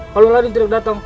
kalau raden tidak datang